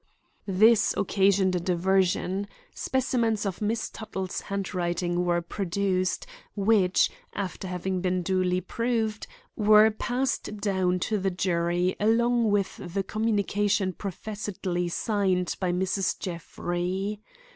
This occasioned a diversion. Specimens of Miss Tuttle's handwriting were produced, which, after having been duly proved, were passed down to the jury along with the communication professedly signed by Mrs. Jeffrey.